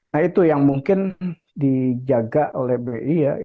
nah itu yang mungkin dijaga oleh bi ya